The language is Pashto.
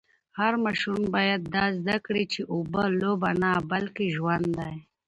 هر ماشوم باید زده کړي چي اوبه لوبه نه بلکې ژوند دی.